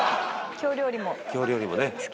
京料理もね。